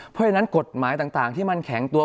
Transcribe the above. เพราะฉะนั้นกฎหมายต่างที่มันแข็งตัว